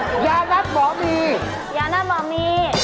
ผมอยากให้แฟนคุณลองฝึกพูดขนาดไม่ไกล